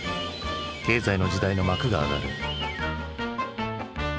経済の時代の幕が上がる。